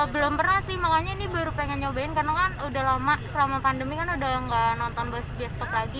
belum pernah sih makanya ini baru pengen nyobain karena kan udah lama selama pandemi kan udah gak nonton bioskop lagi